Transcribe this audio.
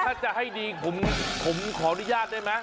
หากจะให้ดีผมขออนุญาตได้มั้ย